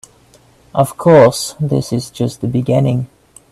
Of course, this is just the beginning.